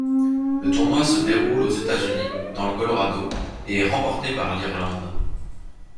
Le tournoi se déroule aux États-Unis, dans le Colorado, et est remporté par l'Irlande.